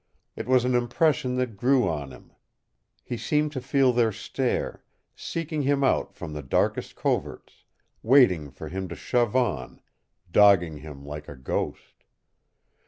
It was an impression that grew on him. He seemed to feel their stare, seeking him out from the darkest coverts, waiting for him to shove on, dogging him like a ghost.